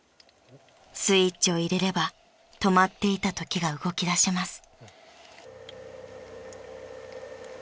［スイッチを入れれば止まっていた時が動きだします］